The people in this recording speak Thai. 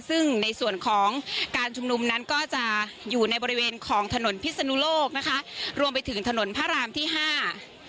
ซึ่งในส่วนของการชุมนุมนั้นก็จะอยู่ในบริเวณของถนนพิศนุโลกนะคะรวมไปถึงถนนพระรามที่ห้า